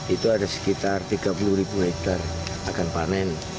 itu ada sekitar tiga puluh ribu hektare akan panen